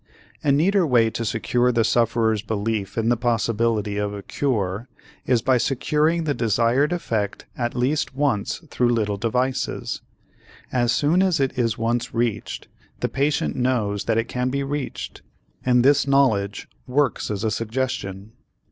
A neater way to secure the sufferer's belief in the possibility of a cure is by securing the desired effect at least once through little devices. As soon as it is once reached, the patient knows that it can be reached and this knowledge works as a suggestion.